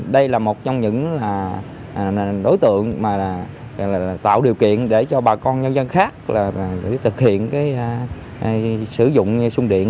đây là một trong những đối tượng mà tạo điều kiện để cho bà con nhân dân khác thực hiện sử dụng sung điện